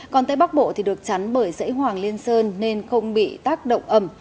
còn tại bắc bộ thì được chắn bởi dãy hoàng liên sơn nên không bị tác động ẩm